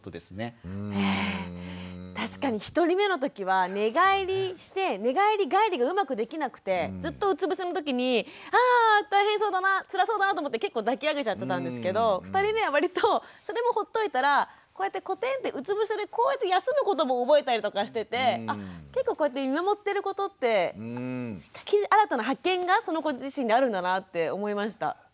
確かに１人目の時は寝返りして寝返り返りがうまくできなくてずっとうつ伏せの時にあ大変そうだなつらそうだなと思って結構抱き上げちゃってたんですけど２人目は割とほっといたらこうやってこてんってうつ伏せでこうやって休むことも覚えたりしててあっ結構こうやって見守ってることって新たな発見がその子自身にあるんだなって思いました。